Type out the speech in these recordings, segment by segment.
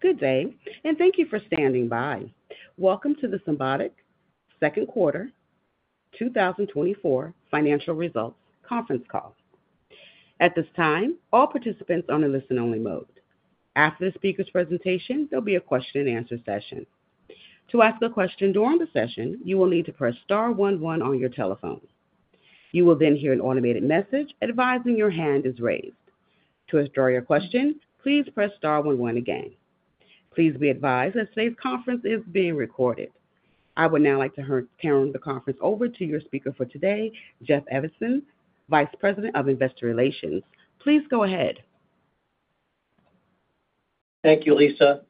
Good day, and thank you for standing by. Welcome to the Symbotic second quarter 2024 financial results conference call. At this time, all participants are in listen-only mode. After the speaker's presentation, there'll be a question-and-answer session. To ask a question during the session, you will need to press star one-one on your telephone. You will then hear an automated message advising your hand is raised. To withdraw your question, please press star one-one again. Please be advised that today's conference is being recorded. I would now like to turn the conference over to your speaker for today, Jeff Evanson, Vice President of Investor Relations. Please go ahead. Thank you, Lisa.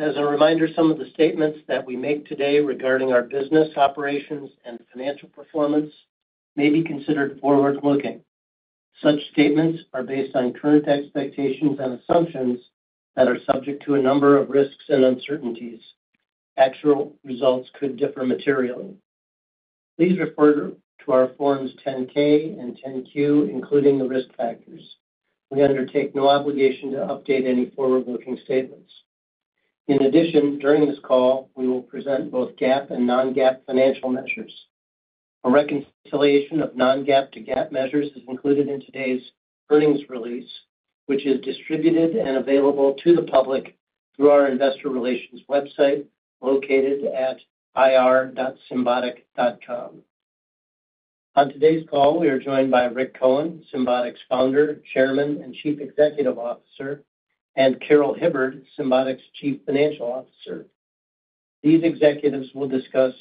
As a reminder, some of the statements that we make today regarding our business operations and financial performance may be considered forward-looking. Such statements are based on current expectations and assumptions that are subject to a number of risks and uncertainties. Actual results could differ materially. Please refer to our forms 10-K and 10-Q, including the risk factors. We undertake no obligation to update any forward-looking statements. In addition, during this call, we will present both GAAP and non-GAAP financial measures. A reconciliation of non-GAAP to GAAP measures is included in today's earnings release, which is distributed and available to the public through our investor relations website located at ir.Symbotic.com. On today's call, we are joined by Rick Cohen, Symbotic's Founder, Chairman, and Chief Executive Officer, and Carol Hibbard, Symbotic's Chief Financial Officer. These executives will discuss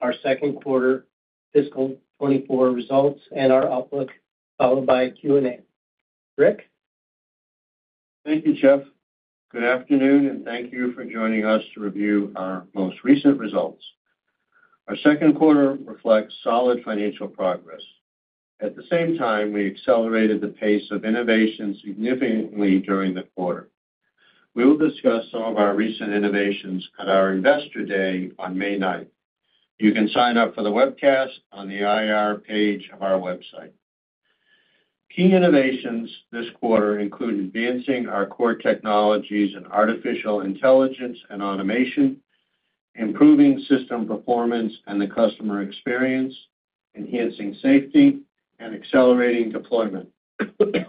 our second quarter fiscal 2024 results and our outlook, followed by Q&A. Rick? Thank you, Jeff. Good afternoon, and thank you for joining us to review our most recent results. Our second quarter reflects solid financial progress. At the same time, we accelerated the pace of innovation significantly during the quarter. We will discuss some of our recent innovations at our investor day on May 9th. You can sign up for the webcast on the IR page of our website. Key innovations this quarter include advancing our core technologies in artificial intelligence and automation, improving system performance and the customer experience, enhancing safety, and accelerating deployment. I'd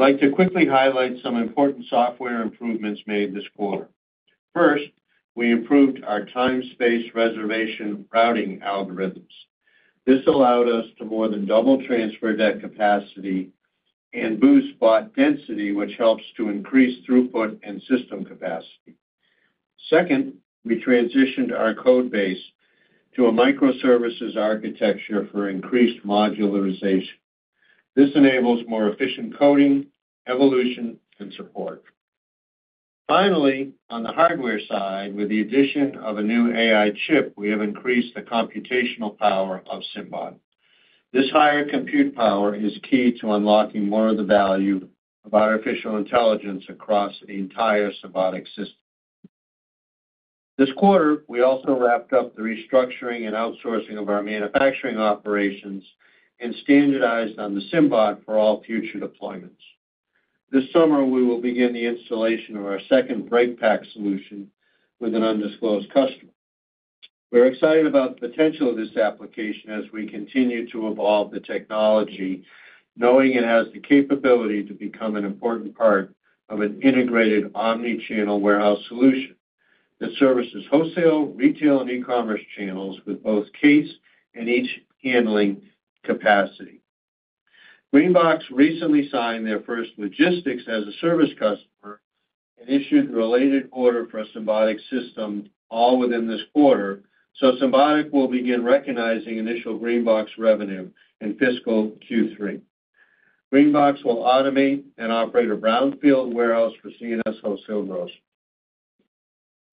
like to quickly highlight some important software improvements made this quarter. First, we improved our time-space reservation routing algorithms. This allowed us to more than double throughput capacity and boost bot density, which helps to increase throughput and system capacity. Second, we transitioned our code base to a microservices architecture for increased modularization. This enables more efficient coding, evolution, and support. Finally, on the hardware side, with the addition of a new AI chip, we have increased the computational power of Symbot. This higher compute power is key to unlocking more of the value of artificial intelligence across the entire Symbotic system. This quarter, we also wrapped up the restructuring and outsourcing of our manufacturing operations and standardized on the Symbot for all future deployments. This summer, we will begin the installation of our second breakpack solution with an undisclosed customer. We're excited about the potential of this application as we continue to evolve the technology, knowing it has the capability to become an important part of an integrated omnichannel warehouse solution that services wholesale, retail, and e-commerce channels with both case and each handling capacity. GreenBox recently signed their first logistics as a service customer and issued the related order for a Symbotic system, all within this quarter, so Symbotic will begin recognizing initial GreenBox revenue in fiscal Q3. GreenBox will automate and operate a brownfield warehouse for C&S Wholesale Grocers.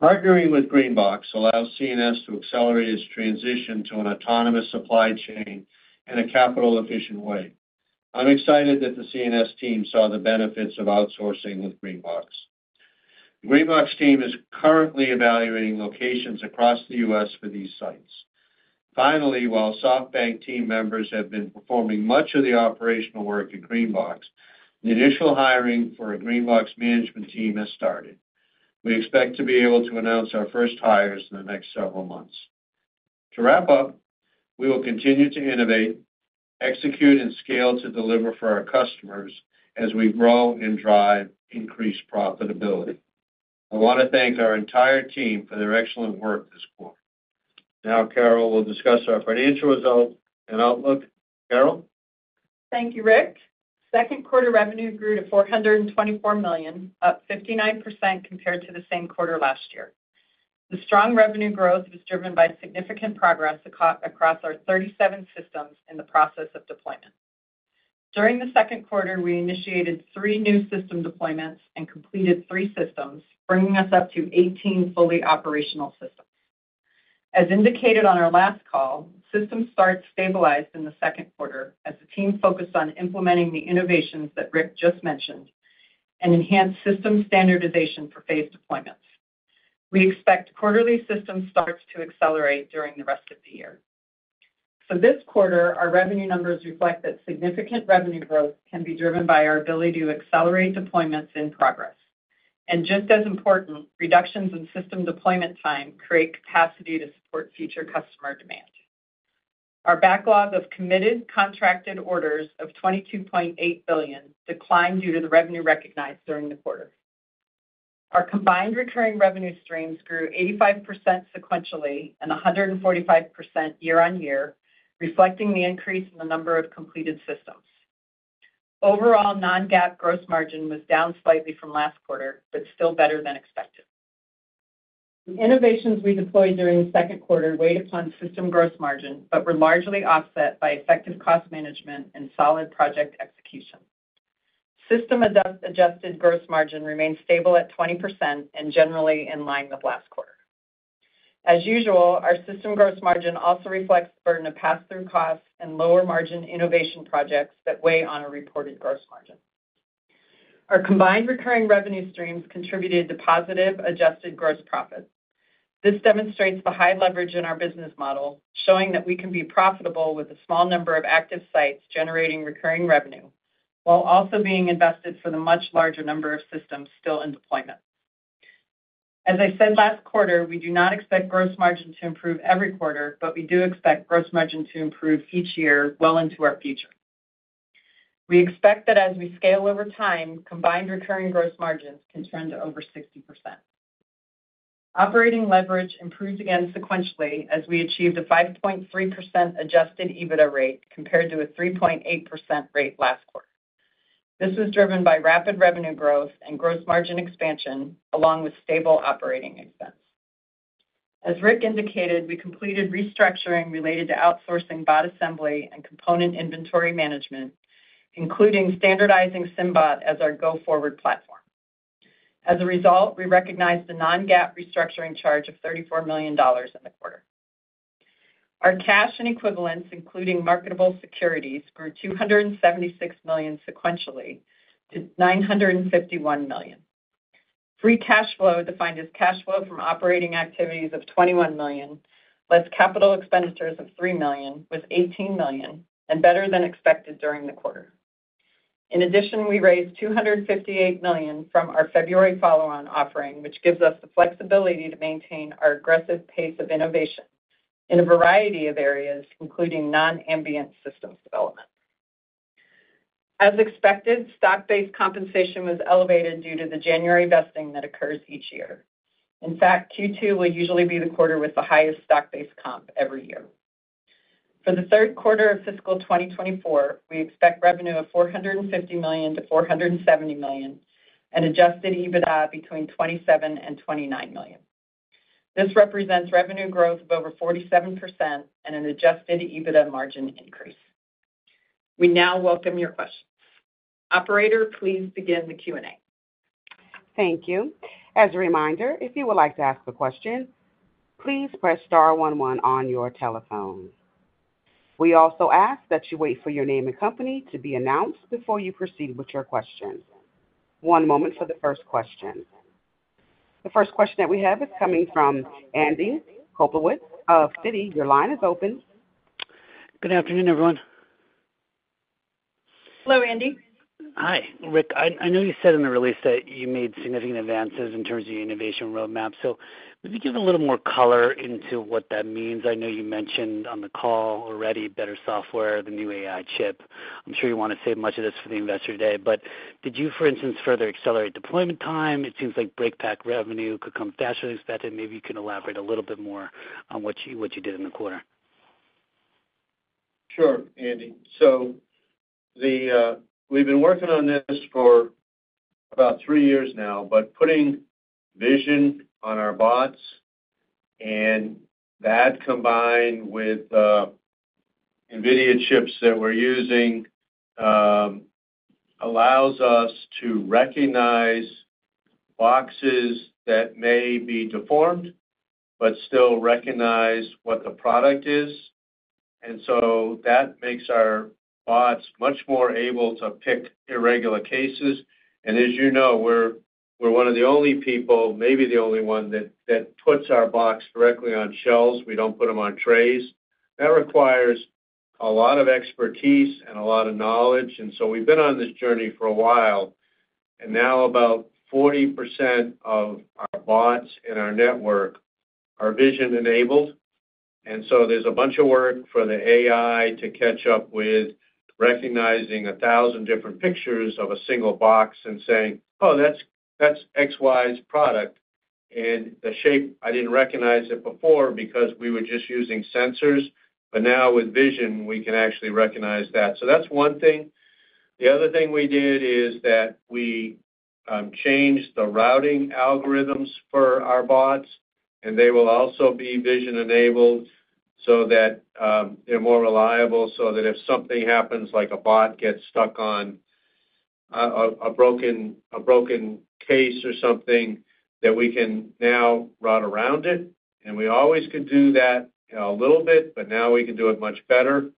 Partnering with GreenBox allows C&S to accelerate its transition to an autonomous supply chain in a capital-efficient way. I'm excited that the C&S team saw the benefits of outsourcing with GreenBox. The GreenBox team is currently evaluating locations across the U.S. for these sites. Finally, while SoftBank team members have been performing much of the operational work at GreenBox, the initial hiring for a GreenBox management team has started. We expect to be able to announce our first hires in the next several months. To wrap up, we will continue to innovate, execute, and scale to deliver for our customers as we grow and drive increased profitability. I want to thank our entire team for their excellent work this quarter. Now, Carol will discuss our financial result and outlook. Carol? Thank you, Rick. Second quarter revenue grew to $424 million, up 59% compared to the same quarter last year. The strong revenue growth was driven by significant progress across our 37 systems in the process of deployment. During the second quarter, we initiated 3 new system deployments and completed 3 systems, bringing us up to 18 fully operational systems. As indicated on our last call, systems start stabilized in the second quarter as the team focused on implementing the innovations that Rick just mentioned and enhanced system standardization for phased deployments. We expect quarterly system starts to accelerate during the rest of the year. So this quarter, our revenue numbers reflect that significant revenue growth can be driven by our ability to accelerate deployments in progress. And just as important, reductions in system deployment time create capacity to support future customer demand. Our backlog of committed contracted orders of $22.8 billion declined due to the revenue recognized during the quarter. Our combined recurring revenue streams grew 85% sequentially and 145% year-on-year, reflecting the increase in the number of completed systems. Overall, non-GAAP gross margin was down slightly from last quarter, but still better than expected. The innovations we deployed during the second quarter weighed upon system gross margin but were largely offset by effective cost management and solid project execution. System adjusted gross margin remained stable at 20% and generally in line with last quarter. As usual, our system gross margin also reflects the burden of pass-through costs and lower margin innovation projects that weigh on a reported gross margin. Our combined recurring revenue streams contributed to positive adjusted gross profit. This demonstrates the high leverage in our business model, showing that we can be profitable with a small number of active sites generating recurring revenue while also being invested for the much larger number of systems still in deployment. As I said last quarter, we do not expect gross margin to improve every quarter, but we do expect gross margin to improve each year well into our future. We expect that as we scale over time, combined recurring gross margins can trend to over 60%. Operating leverage improved again sequentially as we achieved a 5.3% adjusted EBITDA rate compared to a 3.8% rate last quarter. This was driven by rapid revenue growth and gross margin expansion along with stable operating expense. As Rick indicated, we completed restructuring related to outsourcing bot assembly and component inventory management, including standardizing Symbot as our go-forward platform. As a result, we recognized a non-GAAP restructuring charge of $34 million in the quarter. Our cash and equivalents, including marketable securities, grew $276 million sequentially to $951 million. Free cash flow, defined as cash flow from operating activities of $21 million, less capital expenditures of $3 million, was $18 million and better than expected during the quarter. In addition, we raised $258 million from our February follow-on offering, which gives us the flexibility to maintain our aggressive pace of innovation in a variety of areas, including non-ambient systems development. As expected, stock-based compensation was elevated due to the January vesting that occurs each year. In fact, Q2 will usually be the quarter with the highest stock-based comp every year. For the third quarter of fiscal 2024, we expect revenue of $450 million-$470 million and adjusted EBITDA between $27 million and $29 million. This represents revenue growth of over 47% and an adjusted EBITDA margin increase. We now welcome your questions. Operator, please begin the Q&A. Thank you. As a reminder, if you would like to ask a question, please press star one-one on your telephone. We also ask that you wait for your name and company to be announced before you proceed with your questions. One moment for the first question. The first question that we have is coming from Andrew Kaplowitz of Citi. Your line is open. Good afternoon, everyone. Hello, Andy. Hi, Rick. I know you said in the release that you made significant advances in terms of your innovation roadmap. Maybe give a little more color into what that means. I know you mentioned on the call already better software, the new AI chip. I'm sure you want to save much of this for the investor day, but did you, for instance, further accelerate deployment time? It seems like breakpack revenue could come faster than expected. Maybe you can elaborate a little bit more on what you did in the quarter. Sure, Andy. So we've been working on this for about three years now, but putting vision on our bots and that combined with NVIDIA chips that we're using allows us to recognize boxes that may be deformed but still recognize what the product is. And so that makes our bots much more able to pick irregular cases. And as you know, we're one of the only people, maybe the only one, that puts our box directly on shelves. We don't put them on trays. That requires a lot of expertise and a lot of knowledge. And so we've been on this journey for a while. And now about 40% of our bots in our network are vision-enabled. There's a bunch of work for the AI to catch up with recognizing 1,000 different pictures of a single box and saying, "Oh, that's XY's product." And the shape, I didn't recognize it before because we were just using sensors, but now with vision, we can actually recognize that. So that's one thing. The other thing we did is that we changed the routing algorithms for our bots, and they will also be vision-enabled so that they're more reliable, so that if something happens, like a bot gets stuck on a broken case or something, that we can now route around it. And we always could do that a little bit, but now we can do it much better.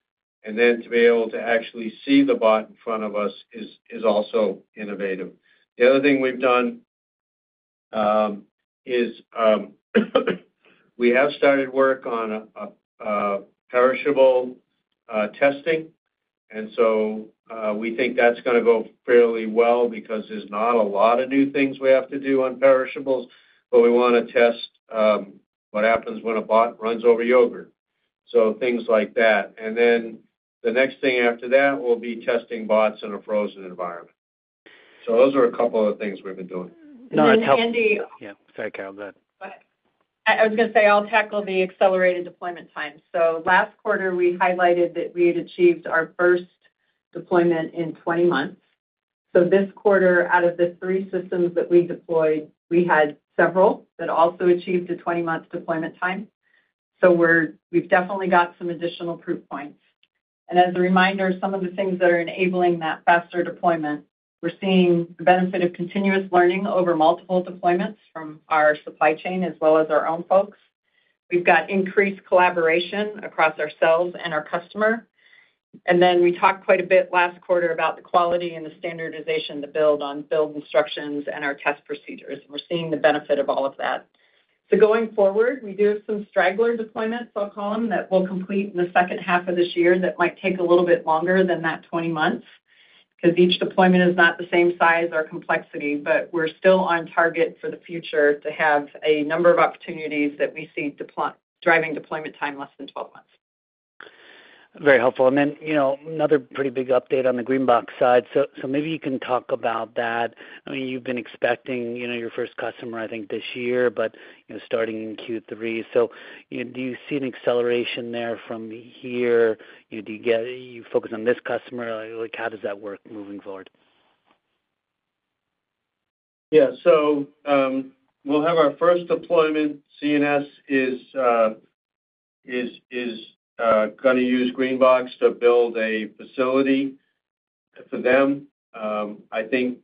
And then to be able to actually see the bot in front of us is also innovative. The other thing we've done is we have started work on perishable testing. And so we think that's going to go fairly well because there's not a lot of new things we have to do on perishables, but we want to test what happens when a bot runs over yogurt, so things like that. And then the next thing after that will be testing bots in a frozen environment. So those are a couple of things we've been doing. No, I tackle. Andy? Yeah. Sorry, Carol. Go ahead. Go ahead. I was going to say I'll tackle the accelerated deployment time. So last quarter, we highlighted that we had achieved our first deployment in 20 months. So this quarter, out of the three systems that we deployed, we had several that also achieved a 20-month deployment time. So we've definitely got some additional proof points. And as a reminder, some of the things that are enabling that faster deployment, we're seeing the benefit of continuous learning over multiple deployments from our supply chain as well as our own folks. We've got increased collaboration across ourselves and our customer. And then we talked quite a bit last quarter about the quality and the standardization to build on build instructions and our test procedures. We're seeing the benefit of all of that. Going forward, we do have some straggler deployments, I'll call them, that we'll complete in the second half of this year that might take a little bit longer than that 20 months because each deployment is not the same size or complexity, but we're still on target for the future to have a number of opportunities that we see driving deployment time less than 12 months. Very helpful. And then another pretty big update on the GreenBox side. So maybe you can talk about that. I mean, you've been expecting your first customer, I think, this year, but starting in Q3. So do you see an acceleration there from here? Do you focus on this customer? How does that work moving forward? Yeah. So we'll have our first deployment. C&S is going to use GreenBox to build a facility for them. I think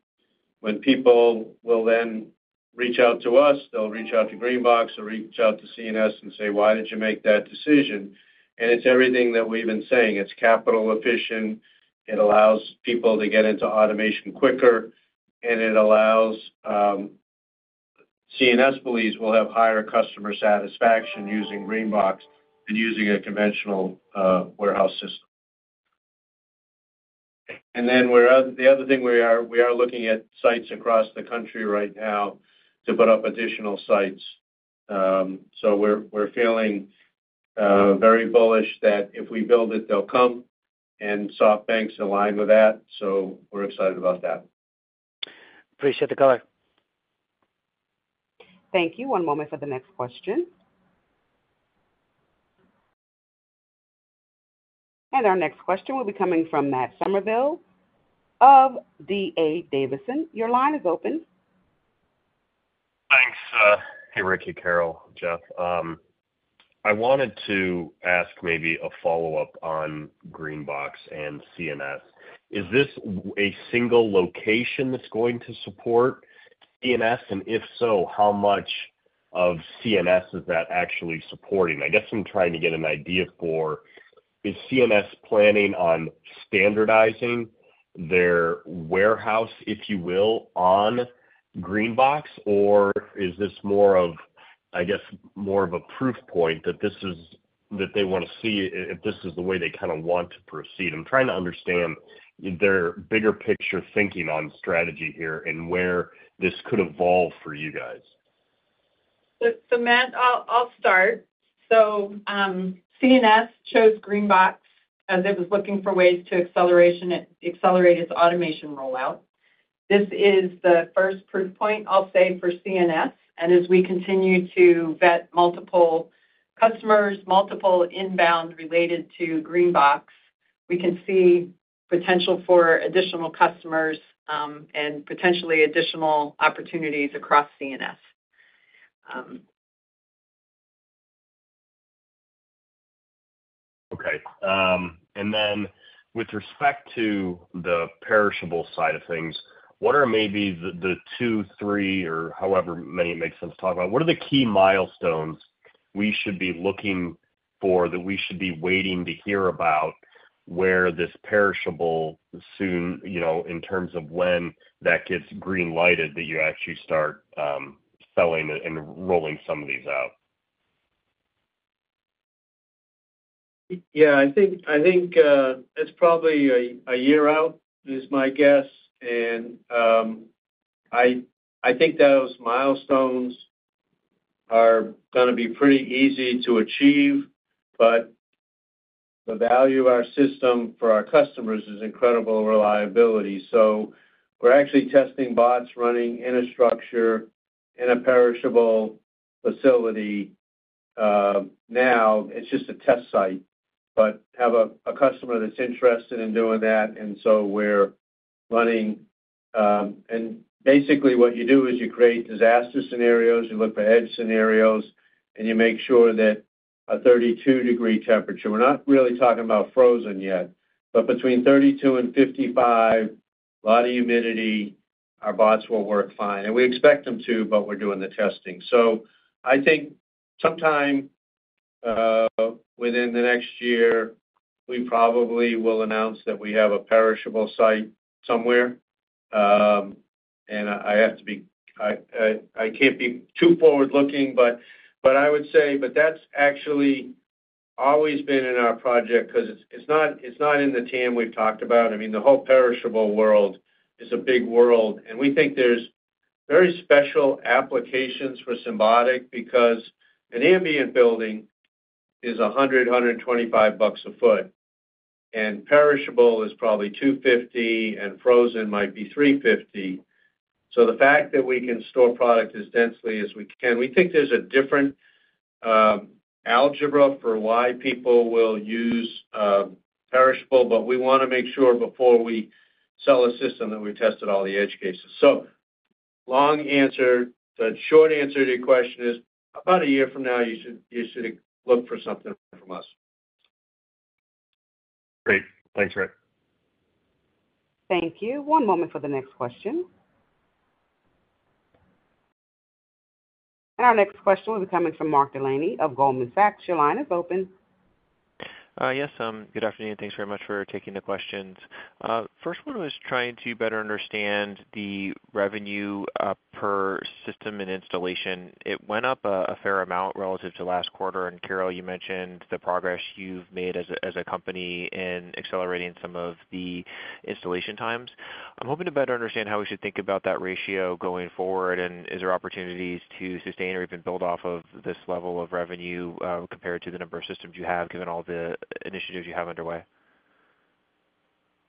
when people will then reach out to us, they'll reach out to GreenBox or reach out to C&S and say, "Why did you make that decision?" And it's everything that we've been saying. It's capital-efficient. It allows people to get into automation quicker. And C&S believes we'll have higher customer satisfaction using GreenBox than using a conventional warehouse system. And then the other thing, we are looking at sites across the country right now to put up additional sites. So we're feeling very bullish that if we build it, they'll come. And SoftBank's aligned with that, so we're excited about that. Appreciate the color. Thank you. One moment for the next question. Our next question will be coming from Matt Summerville of D.A. Davidson. Your line is open. Thanks. Hey, Rick, Carol, Jeff. I wanted to ask maybe a follow-up on GreenBox and C&S. Is this a single location that's going to support C&S? And if so, how much of C&S is that actually supporting? I guess I'm trying to get an idea for is C&S planning on standardizing their warehouse, if you will, on GreenBox, or is this more of, I guess, more of a proof point that they want to see if this is the way they kind of want to proceed? I'm trying to understand their bigger picture thinking on strategy here and where this could evolve for you guys. So Matt, I'll start. C&S chose GreenBox as it was looking for ways to accelerate its automation rollout. This is the first proof point, I'll say, for C&S. As we continue to vet multiple customers, multiple inbound related to GreenBox, we can see potential for additional customers and potentially additional opportunities across C&S. Okay. And then with respect to the perishable side of things, what are maybe the two, three, or however many it makes sense to talk about, what are the key milestones we should be looking for that we should be waiting to hear about where this perishable solution, in terms of when that gets greenlighted that you actually start selling and rolling some of these out? Yeah. I think it's probably a year out is my guess. And I think those milestones are going to be pretty easy to achieve. But the value of our system for our customers is incredible reliability. So we're actually testing bots running in a structure, in a perishable facility now. It's just a test site, but have a customer that's interested in doing that. And so we're running and basically, what you do is you create disaster scenarios. You look for edge scenarios, and you make sure that a 32-degree temperature we're not really talking about frozen yet, but between 32 and 55, a lot of humidity, our bots will work fine. And we expect them to, but we're doing the testing. So I think sometime within the next year, we probably will announce that we have a perishable site somewhere. I have to be I can't be too forward-looking, but I would say but that's actually always been in our project because it's not in the TAM we've talked about. I mean, the whole perishable world is a big world. We think there's very special applications for Symbotic because an ambient building is $100-$125 a foot, and perishable is probably $250, and frozen might be $350. So the fact that we can store product as densely as we can, we think there's a different algebra for why people will use perishable. But we want to make sure before we sell a system that we've tested all the edge cases. So long answer. The short answer to your question is, about a year from now, you should look for something from us. Great. Thanks, Rick. Thank you. One moment for the next question. Our next question will be coming from Mark Delaney of Goldman Sachs. Your line is open. Yes. Good afternoon. Thanks very much for taking the questions. First one was trying to better understand the revenue per system and installation. It went up a fair amount relative to last quarter. And Carol, you mentioned the progress you've made as a company in accelerating some of the installation times. I'm hoping to better understand how we should think about that ratio going forward. And is there opportunities to sustain or even build off of this level of revenue compared to the number of systems you have, given all the initiatives you have underway?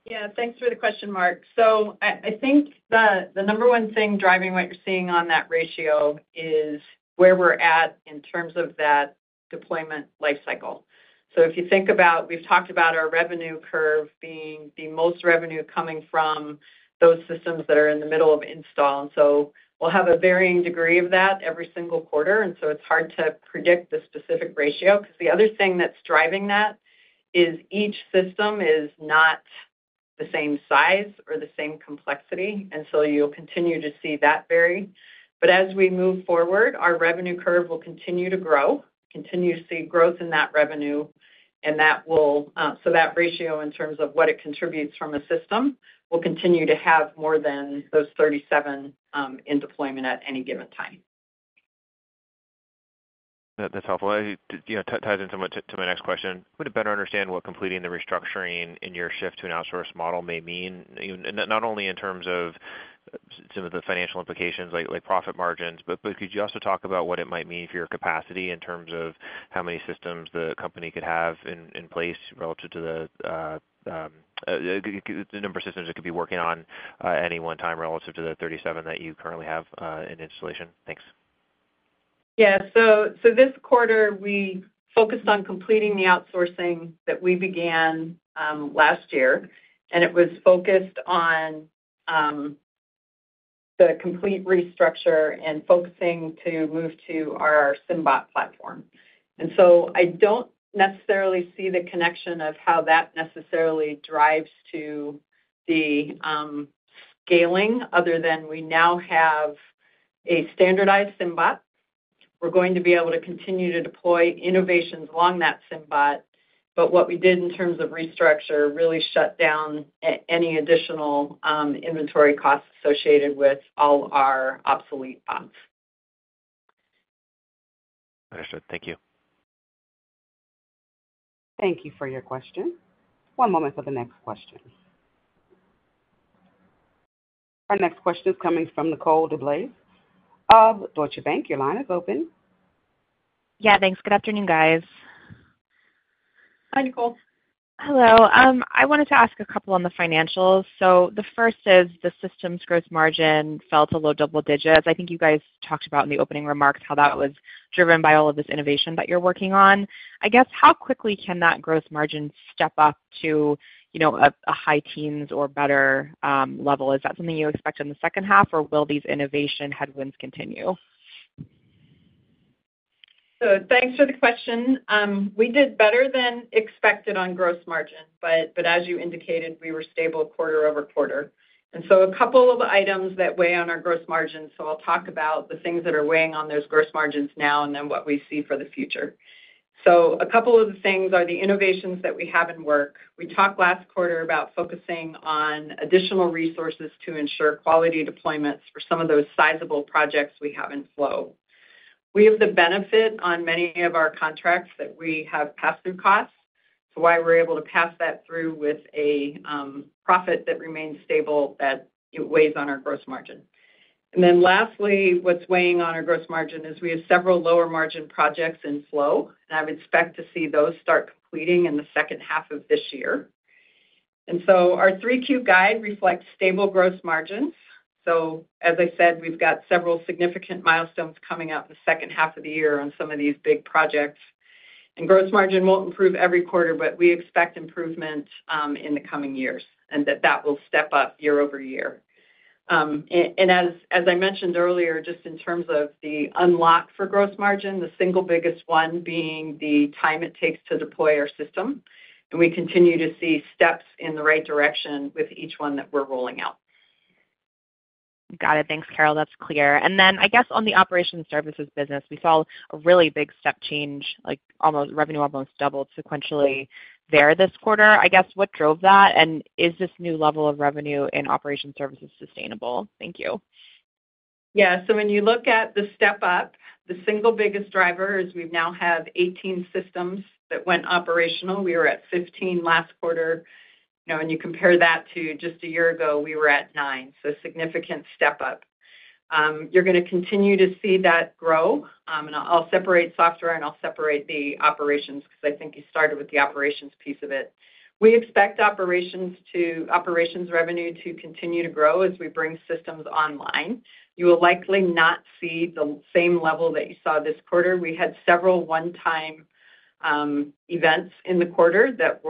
Yeah. Thanks for the question, Mark. So I think the number one thing driving what you're seeing on that ratio is where we're at in terms of that deployment lifecycle. So if you think about we've talked about our revenue curve being the most revenue coming from those systems that are in the middle of install. And so we'll have a varying degree of that every single quarter. And so it's hard to predict the specific ratio because the other thing that's driving that is each system is not the same size or the same complexity. And so you'll continue to see that vary. But as we move forward, our revenue curve will continue to grow, continue to see growth in that revenue. And so that ratio, in terms of what it contributes from a system, will continue to have more than those 37 in deployment at any given time. That's helpful. That ties in so much to my next question. I want to better understand what completing the restructuring in your shift to an outsource model may mean, not only in terms of some of the financial implications like profit margins, but could you also talk about what it might mean for your capacity in terms of how many systems the company could have in place relative to the number of systems it could be working on at any one time relative to the 37 that you currently have in installation? Thanks. Yeah. So this quarter, we focused on completing the outsourcing that we began last year. It was focused on the complete restructure and focusing to move to our Symbot platform. So I don't necessarily see the connection of how that necessarily drives to the scaling other than we now have a standardized Symbot. We're going to be able to continue to deploy innovations along that Symbot. But what we did in terms of restructure really shut down any additional inventory costs associated with all our obsolete bots. Understood. Thank you. Thank you for your question. One moment for the next question. Our next question is coming from Nicole DeBlase of Deutsche Bank. Your line is open. Yeah. Thanks. Good afternoon, guys. Hi, Nicole. Hello. I wanted to ask a couple on the financials. So the first is the system's gross margin fell to low double digits. I think you guys talked about in the opening remarks how that was driven by all of this innovation that you're working on. I guess, how quickly can that gross margin step up to a high teens or better level? Is that something you expect in the second half, or will these innovation headwinds continue? Thanks for the question. We did better than expected on gross margin. But as you indicated, we were stable quarter over quarter. A couple of items that weigh on our gross margins, so I'll talk about the things that are weighing on those gross margins now and then what we see for the future. A couple of the things are the innovations that we have in work. We talked last quarter about focusing on additional resources to ensure quality deployments for some of those sizable projects we have in flow. We have the benefit on many of our contracts that we have pass-through costs. So while we're able to pass that through with a profit that remains stable, that it weighs on our gross margin. And then lastly, what's weighing on our gross margin is we have several lower margin projects in flow. I would expect to see those start completing in the second half of this year. So our 3Q guide reflects stable gross margins. So as I said, we've got several significant milestones coming up in the second half of the year on some of these big projects. Gross margin won't improve every quarter, but we expect improvement in the coming years and that that will step up year-over-year. And as I mentioned earlier, just in terms of the unlock for gross margin, the single biggest one being the time it takes to deploy our system. And we continue to see steps in the right direction with each one that we're rolling out. Got it. Thanks, Carol. That's clear. And then I guess on the operations services business, we saw a really big step change, revenue almost doubled sequentially there this quarter. I guess, what drove that? And is this new level of revenue in operations services sustainable? Thank you. Yeah. So when you look at the step up, the single biggest driver is we've now have 18 systems that went operational. We were at 15 last quarter. And you compare that to just a year ago, we were at nine. So significant step up. You're going to continue to see that grow. And I'll separate software, and I'll separate the operations because I think you started with the operations piece of it. We expect operations revenue to continue to grow as we bring systems online. You will likely not see the same level that you saw this quarter. We had several one-time events in the quarter that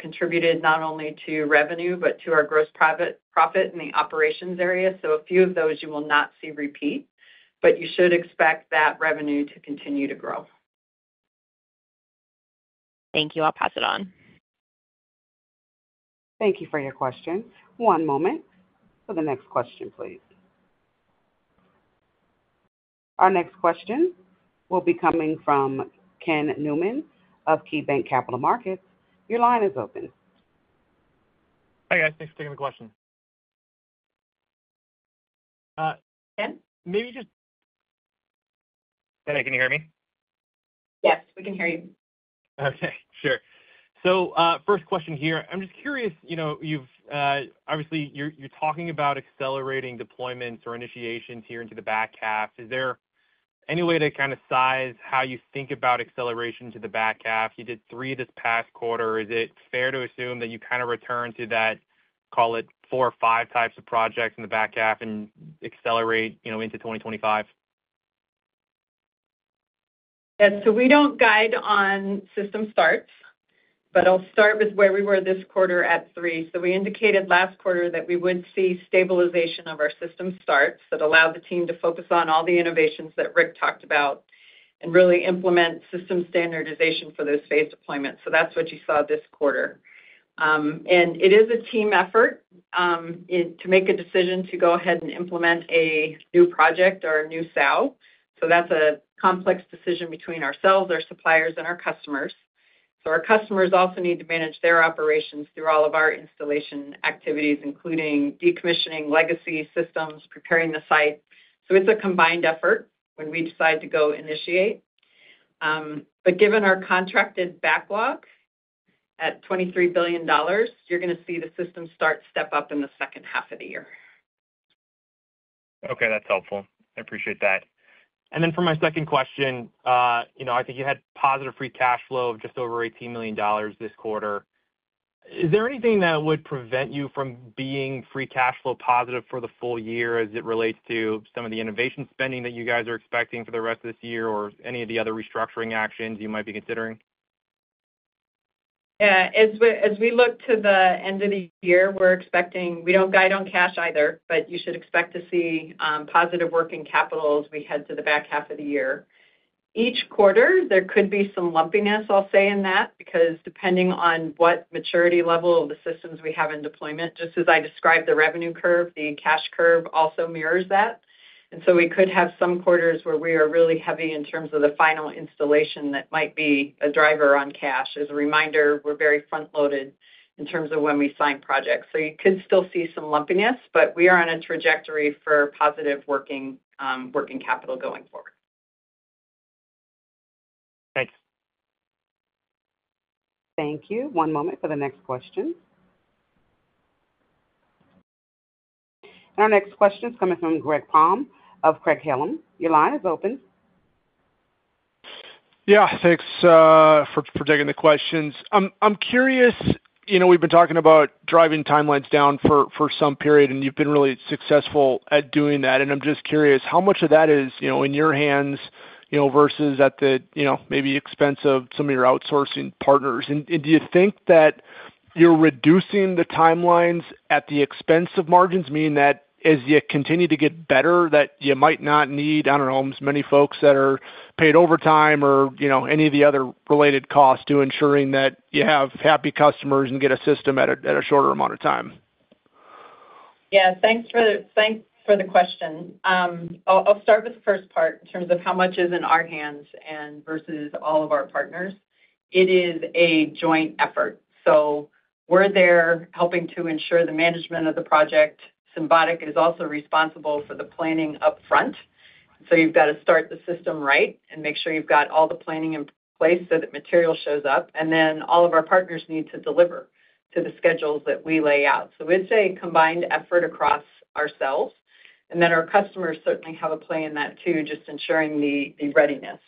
contributed not only to revenue but to our gross profit in the operations area. So a few of those you will not see repeat. But you should expect that revenue to continue to grow. Thank you. I'll pass it on. Thank you for your question. One moment for the next question, please. Our next question will be coming from Ken Newman of KeyBanc Capital Markets. Your line is open. Hey, guys. Thanks for taking the question. Ken? Maybe just. Hey, Nick. Can you hear me? Yes. We can hear you. Okay. Sure. So first question here. I'm just curious. Obviously, you're talking about accelerating deployments or initiations here into the back half. Is there any way to kind of size how you think about acceleration to the back half? You did three this past quarter. Is it fair to assume that you kind of return to that, call it, four or five types of projects in the back half and accelerate into 2025? Yes. So we don't guide on system starts. But I'll start with where we were this quarter in Q3. So we indicated last quarter that we would see stabilization of our system starts that allowed the team to focus on all the innovations that Rick talked about and really implement system standardization for those phased deployments. So that's what you saw this quarter. And it is a team effort to make a decision to go ahead and implement a new project or a new SOW. So that's a complex decision between ourselves, our suppliers, and our customers. So our customers also need to manage their operations through all of our installation activities, including decommissioning legacy systems, preparing the site. So it's a combined effort when we decide to go initiate. But given our contracted backlog at $23 billion, you're going to see the system start step up in the second half of the year. Okay. That's helpful. I appreciate that. And then for my second question, I think you had positive free cash flow of just over $18 million this quarter. Is there anything that would prevent you from being free cash flow positive for the full year as it relates to some of the innovation spending that you guys are expecting for the rest of this year or any of the other restructuring actions you might be considering? Yeah. As we look to the end of the year, we're expecting we don't guide on cash either, but you should expect to see positive working capital as we head to the back half of the year. Each quarter, there could be some lumpiness, I'll say, in that because depending on what maturity level of the systems we have in deployment, just as I described the revenue curve, the cash curve also mirrors that. And so we could have some quarters where we are really heavy in terms of the final installation that might be a driver on cash. As a reminder, we're very front-loaded in terms of when we sign projects. So you could still see some lumpiness, but we are on a trajectory for positive working capital going forward. Thanks. Thank you. One moment for the next question. Our next question is coming from Greg Palm of Craig-Hallum. Your line is open. Yeah. Thanks for taking the questions. I'm curious. We've been talking about driving timelines down for some period, and you've been really successful at doing that. And I'm just curious, how much of that is in your hands versus at the maybe expense of some of your outsourcing partners? And do you think that you're reducing the timelines at the expense of margins, meaning that as you continue to get better, that you might not need - I don't know - as many folks that are paid overtime or any of the other related costs to ensuring that you have happy customers and get a system at a shorter amount of time? Yeah. Thanks for the question. I'll start with the first part in terms of how much is in our hands versus all of our partners. It is a joint effort. We're there helping to ensure the management of the project. Symbotic is also responsible for the planning upfront. You've got to start the system right and make sure you've got all the planning in place so that material shows up. Then all of our partners need to deliver to the schedules that we lay out. I would say combined effort across ourselves. Our customers certainly have a play in that too, just ensuring the readiness.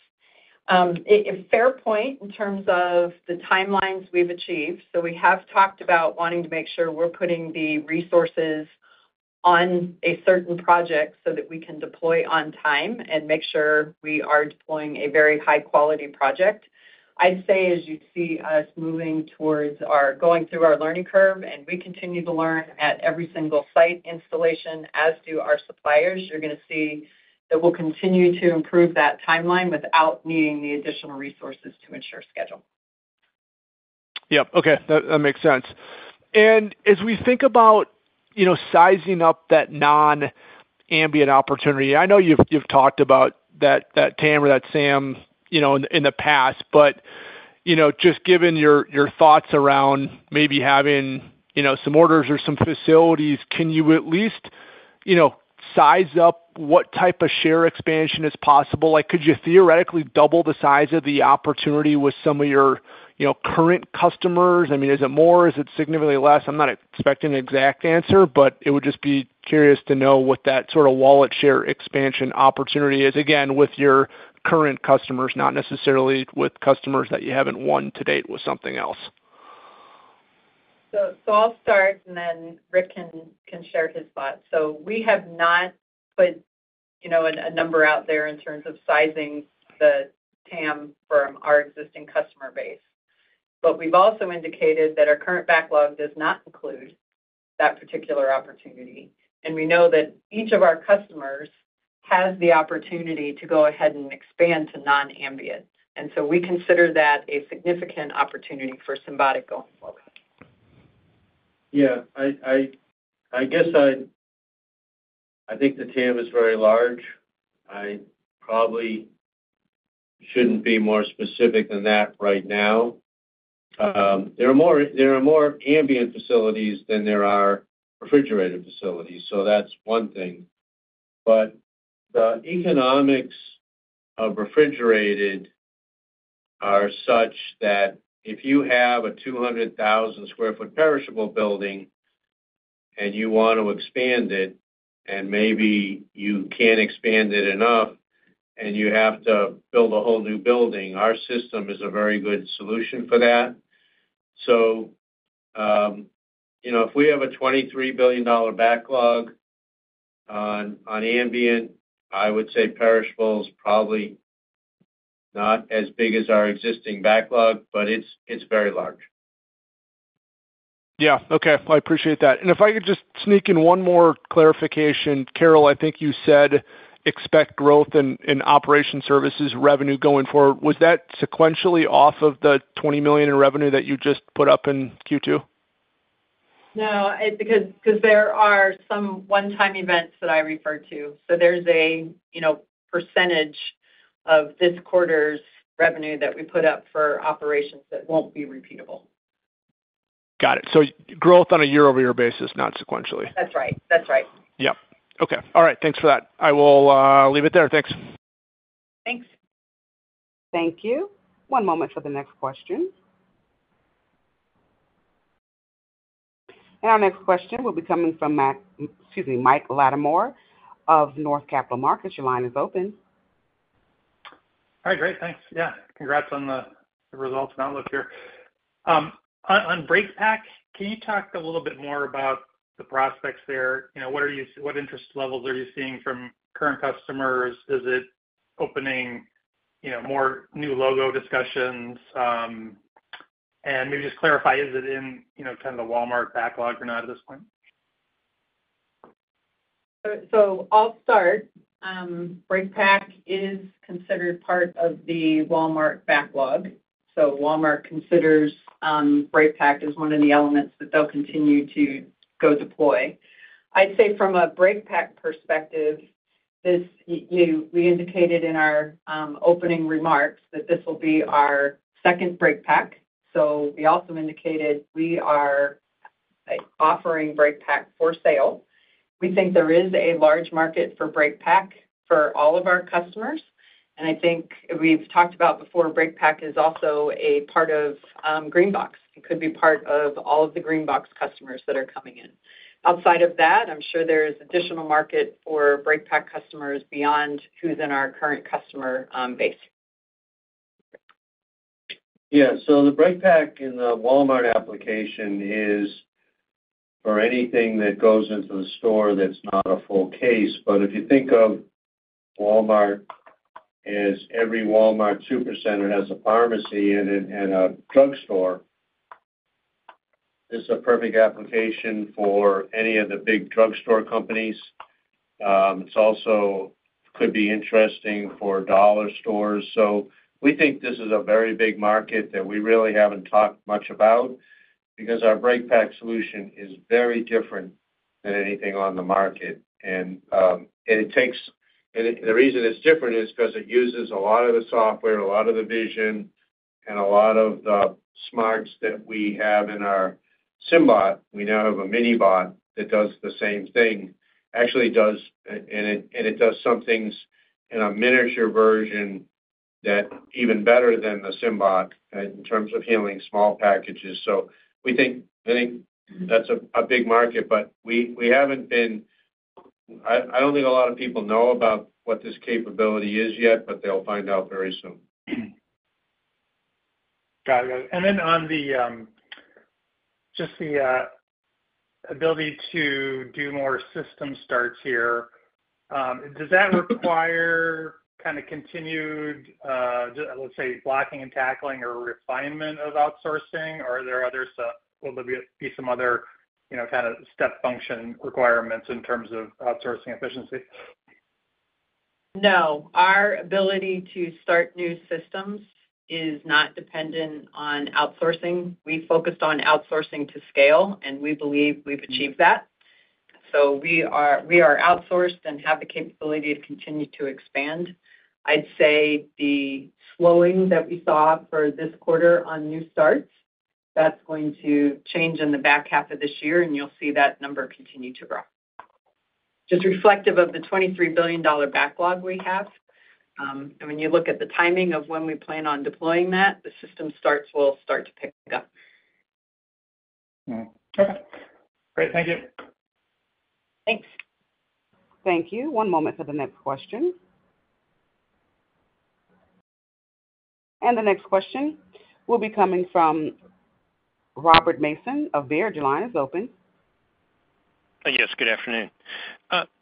Fair point in terms of the timelines we've achieved. We have talked about wanting to make sure we're putting the resources on a certain project so that we can deploy on time and make sure we are deploying a very high-quality project. I'd say, as you see us moving towards our going through our learning curve and we continue to learn at every single site installation as do our suppliers, you're going to see that we'll continue to improve that timeline without needing the additional resources to ensure schedule. Yep. Okay. That makes sense. And as we think about sizing up that non-ambient opportunity, I know you've talked about that, TAM, or that, SAM, in the past. But just given your thoughts around maybe having some orders or some facilities, can you at least size up what type of share expansion is possible? Could you theoretically double the size of the opportunity with some of your current customers? I mean, is it more? Is it significantly less? I'm not expecting an exact answer, but it would just be curious to know what that sort of wallet share expansion opportunity is, again, with your current customers, not necessarily with customers that you haven't won to date with something else. I'll start, and then Rick can share his thoughts. We have not put a number out there in terms of sizing the TAM from our existing customer base. But we've also indicated that our current backlog does not include that particular opportunity. We know that each of our customers has the opportunity to go ahead and expand to non-ambient. We consider that a significant opportunity for Symbotic going forward. Yeah. I guess I think the TAM is very large. I probably shouldn't be more specific than that right now. There are more ambient facilities than there are refrigerated facilities. So that's one thing. But the economics of refrigerated are such that if you have a 200,000sq ft perishable building and you want to expand it, and maybe you can't expand it enough, and you have to build a whole new building, our system is a very good solution for that. So if we have a $23 billion backlog on ambient, I would say perishable is probably not as big as our existing backlog, but it's very large. Yeah. Okay. I appreciate that. If I could just sneak in one more clarification, Carol, I think you said expect growth in operations services revenue going forward. Was that sequentially off of the $20 million in revenue that you just put up in Q2? No. Because there are some one-time events that I refer to. So there's a percentage of this quarter's revenue that we put up for operations that won't be repeatable. Got it. So growth on a year-over-year basis, not sequentially. That's right. That's right. Yep. Okay. All right. Thanks for that. I will leave it there. Thanks. Thanks. Thank you. One moment for the next question. And our next question will be coming from, excuse me, Mike Latimore of Northland Capital Markets. Your line is open. All right. Great. Thanks. Yeah. Congrats on the results and outlook here. On breakpack, can you talk a little bit more about the prospects there? What interest levels are you seeing from current customers? Is it opening more new logo discussions? And maybe just clarify, is it in kind of the Walmart backlog or not at this point? So I'll start. breakpack is considered part of the Walmart backlog. So Walmart considers breakpack as one of the elements that they'll continue to go deploy. I'd say from a breakpack perspective, we indicated in our opening remarks that this will be our second breakpack. So we also indicated we are offering breakpack for sale. We think there is a large market for breakpack for all of our customers. And I think we've talked about before, breakpack is also a part of GreenBox. It could be part of all of the GreenBox customers that are coming in. Outside of that, I'm sure there's additional market for breakpack customers beyond who's in our current customer base. Yeah. So the breakpack in the Walmart application is for anything that goes into the store that's not a full case. But if you think of Walmart as every Walmart supercenter has a pharmacy in it and a drugstore, this is a perfect application for any of the big drugstore companies. It could be interesting for dollar stores. So we think this is a very big market that we really haven't talked much about because our breakpack solution is very different than anything on the market. And the reason it's different is because it uses a lot of the software, a lot of the vision, and a lot of the smarts that we have in our Symbot. We now have a mini bot that does the same thing, actually does and it does some things in a miniature version that even better than the Symbot in terms of handling small packages. So I think that's a big market. But we haven't been. I don't think a lot of people know about what this capability is yet, but they'll find out very soon. Got it. Got it. And then on just the ability to do more system starts here, does that require kind of continued, let's say, blocking and tackling or refinement of outsourcing? Or will there be some other kind of step function requirements in terms of outsourcing efficiency? No. Our ability to start new systems is not dependent on outsourcing. We focused on outsourcing to scale, and we believe we've achieved that. So we are outsourced and have the capability to continue to expand. I'd say the slowing that we saw for this quarter on new starts, that's going to change in the back half of this year, and you'll see that number continue to grow, just reflective of the $23 billion backlog we have. And when you look at the timing of when we plan on deploying that, the system starts will start to pick up. Okay. Great. Thank you. Thanks. Thank you. One moment for the next question. The next question will be coming from Robert Mason of Baird. Your line is open. Yes. Good afternoon.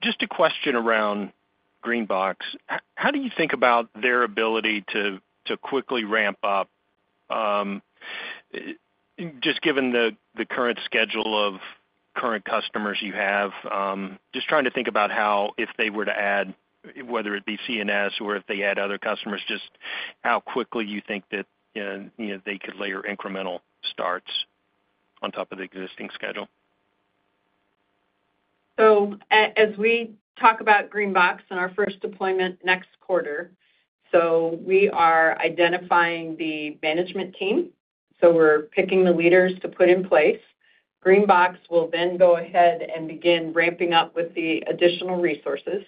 Just a question around GreenBox. How do you think about their ability to quickly ramp up, just given the current schedule of current customers you have? Just trying to think about how, if they were to add, whether it be C&S or if they add other customers, just how quickly you think that they could layer incremental starts on top of the existing schedule. So as we talk about GreenBox and our first deployment next quarter, we are identifying the management team. We're picking the leaders to put in place. GreenBox will then go ahead and begin ramping up with the additional resources.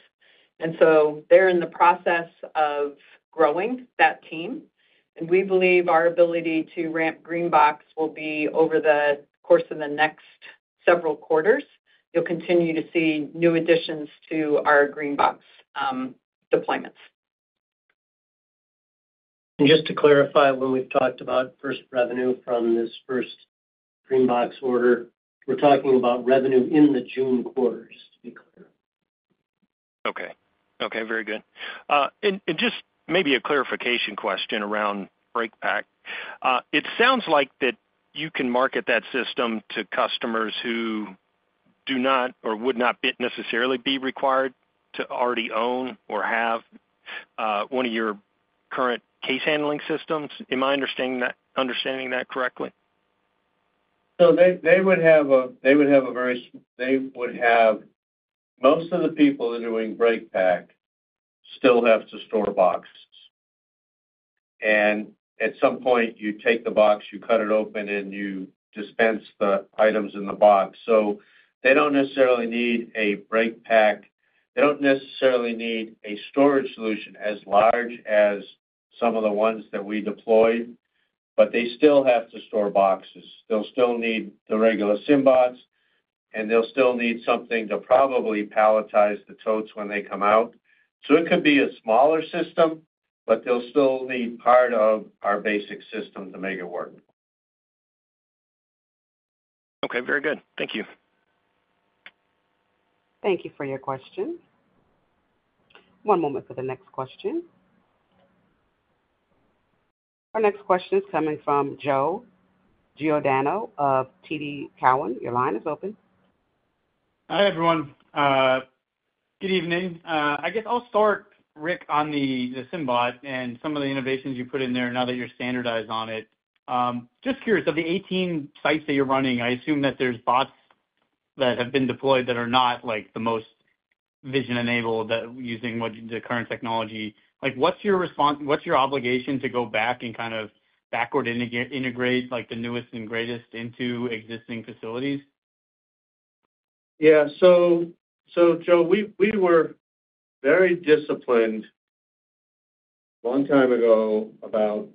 They're in the process of growing that team. We believe our ability to ramp GreenBox will be over the course of the next several quarters. You'll continue to see new additions to our GreenBox deployments. Just to clarify, when we've talked about first revenue from this first GreenBox order, we're talking about revenue in the June quarters, to be clear. Okay. Okay. Very good. And just maybe a clarification question around breakpack. It sounds like that you can market that system to customers who do not or would not necessarily be required to already own or have one of your current case-handling systems. Am I understanding that correctly? So they would have most of the people that are doing breakpack still have to store boxes. And at some point, you take the box, you cut it open, and you dispense the items in the box. So they don't necessarily need a breakpack; they don't necessarily need a storage solution as large as some of the ones that we deployed, but they still have to store boxes. They'll still need the regular Symbots, and they'll still need something to probably palletize the totes when they come out. So it could be a smaller system, but they'll still need part of our basic system to make it work. Okay. Very good. Thank you. Thank you for your question. One moment for the next question. Our next question is coming from Joe Giordano of TD Cowen. Your line is open. Hi, everyone. Good evening. I guess I'll start, Rick, on the Symbot and some of the innovations you put in there now that you're standardized on it. Just curious, of the 18 sites that you're running, I assume that there's bots that have been deployed that are not the most vision-enabled using the current technology. What's your obligation to go back and kind of backward integrate the newest and greatest into existing facilities? Yeah. So, Joe, we were very disciplined a long time ago about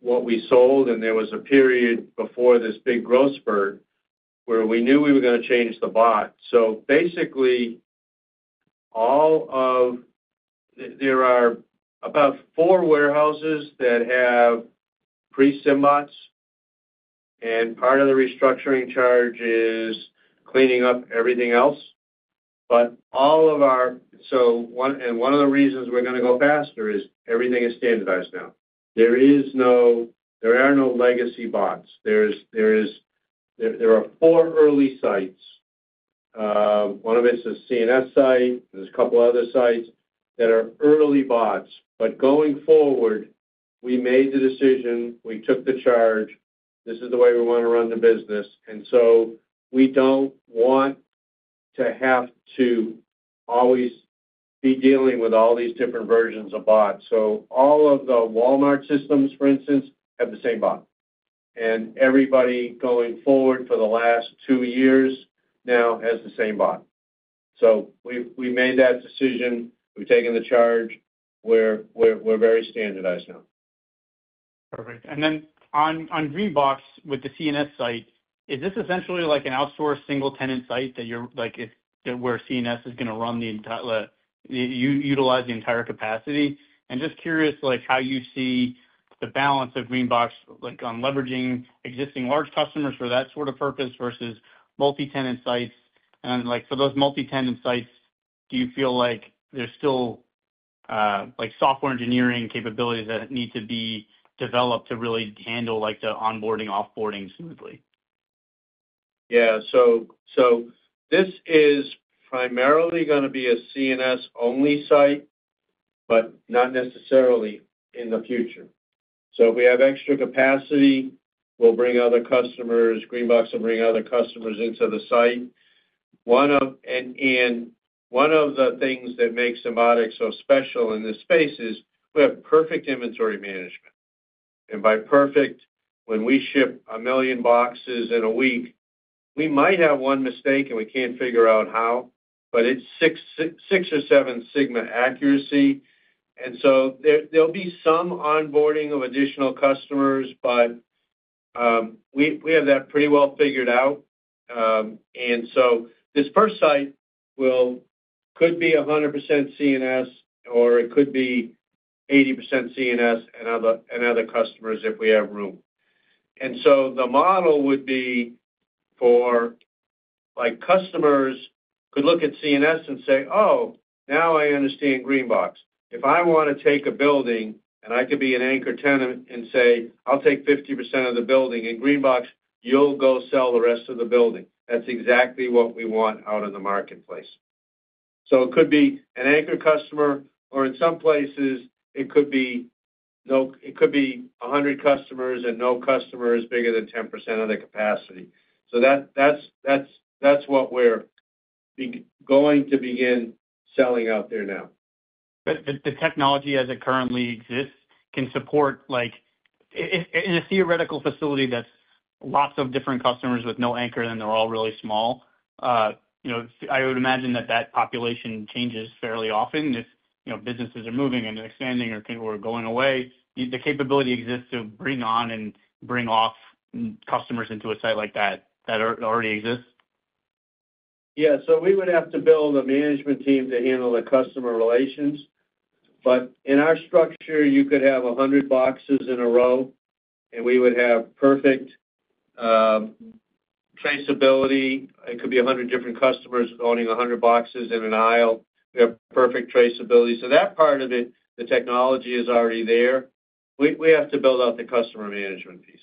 what we sold. There was a period before this big growth spurt where we knew we were going to change the bot. So basically, there are about four warehouses that have pre-Symbots, and part of the restructuring charge is cleaning up everything else. All of our and one of the reasons we're going to go faster is everything is standardized now. There are no legacy bots. There are four early sites. One of it's a C&S site. There's a couple of other sites that are early bots. But going forward, we made the decision. We took the charge. This is the way we want to run the business. And so we don't want to have to always be dealing with all these different versions of bots. So all of the Walmart systems, for instance, have the same bot. And everybody going forward for the last two years now has the same bot. So we made that decision. We've taken the charge. We're very standardized now. Perfect. And then on GreenBox with the C&S site, is this essentially an outsourced single-tenant site where C&S is going to run the entire utilize the entire capacity? And just curious how you see the balance of GreenBox on leveraging existing large customers for that sort of purpose versus multi-tenant sites. And for those multi-tenant sites, do you feel like there's still software engineering capabilities that need to be developed to really handle the onboarding, offboarding smoothly? Yeah. So this is primarily going to be a C&S-only site, but not necessarily in the future. So if we have extra capacity, we'll bring other customers. GreenBox will bring other customers into the site. And one of the things that makes Symbotic so special in this space is we have perfect inventory management. And by perfect, when we ship 1 million boxes in a week, we might have one mistake, and we can't figure out how, but it's six or seven sigma accuracy. And so there'll be some onboarding of additional customers, but we have that pretty well figured out. And so this first site could be 100% C&S, or it could be 80% C&S and other customers if we have room. The model would be for customers could look at C&S and say, "Oh, now I understand GreenBox." If I want to take a building, and I could be an anchor tenant and say, "I'll take 50% of the building. In GreenBox, you'll go sell the rest of the building." That's exactly what we want out in the marketplace. So it could be an anchor customer, or in some places, it could be 100 customers and no customers bigger than 10% of their capacity. So that's what we're going to begin selling out there now. The technology, as it currently exists, can support in a theoretical facility that's lots of different customers with no anchor, and they're all really small, I would imagine that that population changes fairly often if businesses are moving and expanding or going away? The capability exists to bring on and bring off customers into a site like that that already exists? Yeah. So we would have to build a management team to handle the customer relations. But in our structure, you could have 100 boxes in a row, and we would have perfect traceability. It could be 100 different customers owning 100 boxes in an aisle. We have perfect traceability. So that part of it, the technology is already there. We have to build out the customer management piece.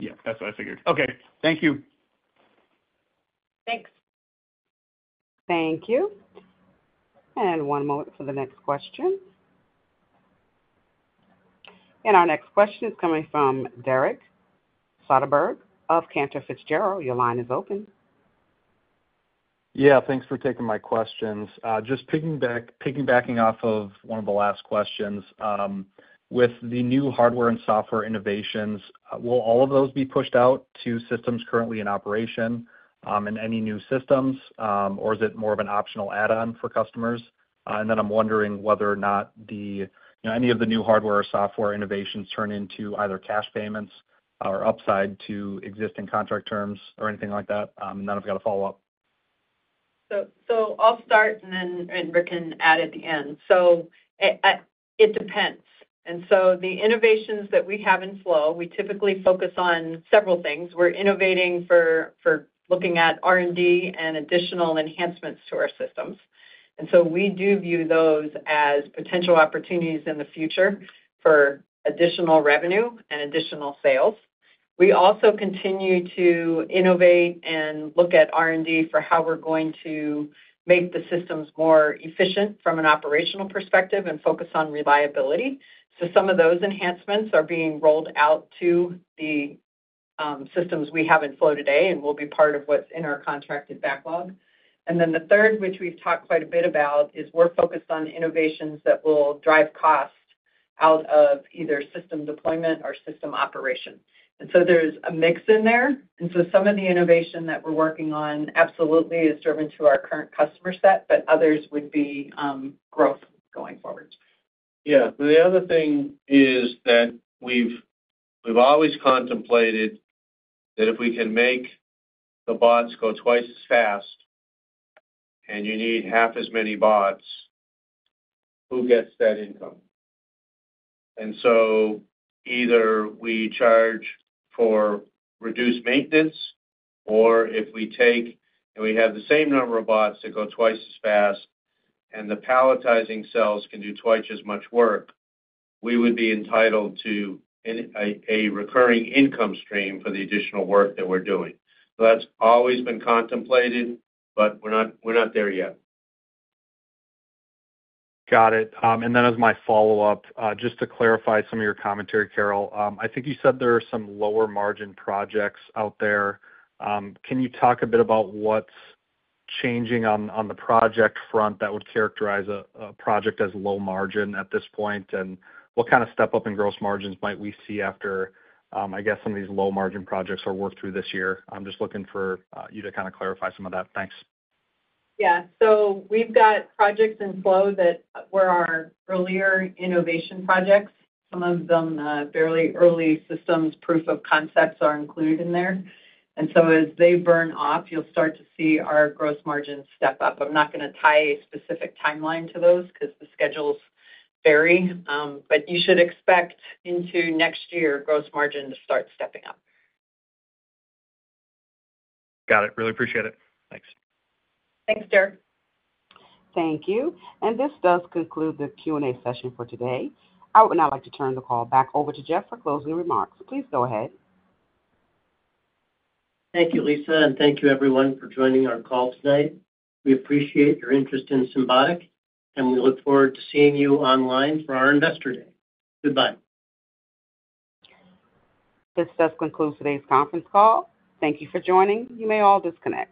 Yeah. That's what I figured. Okay. Thank you. Thanks. Thank you. One moment for the next question. Our next question is coming from Derek Soderberg of Cantor Fitzgerald. Your line is open. Yeah. Thanks for taking my questions. Just piggybacking off of one of the last questions, with the new hardware and software innovations, will all of those be pushed out to systems currently in operation and any new systems, or is it more of an optional add-on for customers? And then I'm wondering whether or not any of the new hardware or software innovations turn into either cash payments or upside to existing contract terms or anything like that. And then I've got a follow-up. So I'll start, and then Rick can add at the end. So it depends. And so the innovations that we have in flow, we typically focus on several things. We're innovating for looking at R&D and additional enhancements to our systems. And so we do view those as potential opportunities in the future for additional revenue and additional sales. We also continue to innovate and look at R&D for how we're going to make the systems more efficient from an operational perspective and focus on reliability. So some of those enhancements are being rolled out to the systems we have in flow today and will be part of what's in our contracted backlog. And then the third, which we've talked quite a bit about, is we're focused on innovations that will drive cost out of either system deployment or system operation. And so there's a mix in there. And so some of the innovation that we're working on absolutely is driven to our current customer set, but others would be growth going forward. Yeah. The other thing is that we've always contemplated that if we can make the bots go twice as fast and you need half as many bots, who gets that income? And so either we charge for reduced maintenance, or if we take and we have the same number of bots that go twice as fast and the palletizing cells can do twice as much work, we would be entitled to a recurring income stream for the additional work that we're doing. So that's always been contemplated, but we're not there yet. Got it. And then as my follow-up, just to clarify some of your commentary, Carol, I think you said there are some lower-margin projects out there. Can you talk a bit about what's changing on the project front that would characterize a project as low-margin at this point, and what kind of step-up in gross margins might we see after, I guess, some of these low-margin projects are worked through this year? I'm just looking for you to kind of clarify some of that. Thanks. Yeah. So we've got projects in flow that were our earlier innovation projects. Some of them, fairly early systems proof-of-concepts, are included in there. So as they burn off, you'll start to see our gross margins step up. I'm not going to tie a specific timeline to those because the schedules vary, but you should expect into next year gross margin to start stepping up. Got it. Really appreciate it. Thanks. Thanks, Derek. Thank you. This does conclude the Q&A session for today. I would now like to turn the call back over to Jeff for closing remarks. Please go ahead. Thank you, Lisa, and thank you, everyone, for joining our call tonight. We appreciate your interest in Symbotic, and we look forward to seeing you online for our Investor Day. Goodbye. This does conclude today's conference call. Thank you for joining. You may all disconnect.